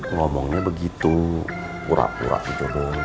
ngomongnya begitu pura pura itu dong